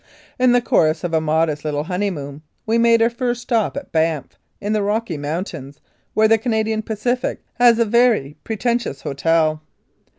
In the course of a modest little honeymoon, we made our first stop at Banff, in the Rocky Mountains, where the Canadian Pacific has a very pretentious hotel.